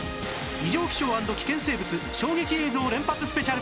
異常気象＆危険生物衝撃映像連発スペシャル